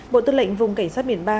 bộ tư lệnh vùng cảnh sát biển ba